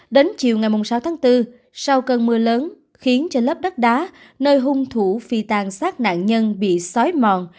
đến chiều ngày sáu tháng bốn sau cơn mưa lớn khiến trên lớp đất đá nơi hung thủ phi tàn sát nạn nhân bị xói mòn